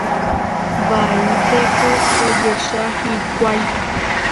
Vaípeko ojehecha hikuái.